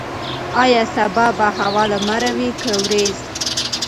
ایا سبا به هوا لمر وي که وریځ؟